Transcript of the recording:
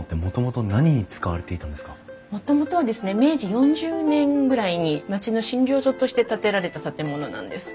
もともとは明治４０年ぐらいに町の診療所として建てられた建物なんです。